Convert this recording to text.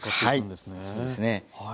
はいそうですね。